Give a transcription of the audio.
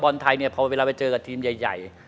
ไทยเนี่ยพอเวลาไปเจอกับทีมใหญ่